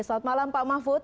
selamat malam pak mahfud